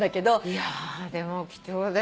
いやでも貴重だよね。